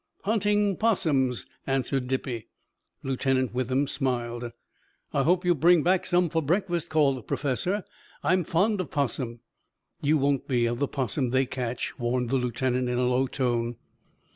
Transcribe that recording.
"Hunting 'possums," answered Dippy. Lieutenant Withem smiled. "I hope you bring back some for breakfast," called the professor. "I am fond of 'possum." "You won't be of the 'possum they catch," warned the lieutenant, in a low tone.